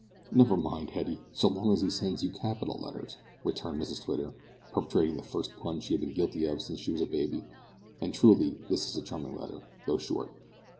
"Never mind, Hetty, so long as he sends you capital letters," returned Mrs Twitter, perpetrating the first pun she had been guilty of since she was a baby; "and, truly, this is a charming letter, though short."